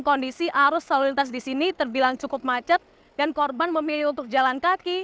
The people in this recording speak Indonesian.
kondisi arus lalu lintas di sini terbilang cukup macet dan korban memilih untuk jalan kaki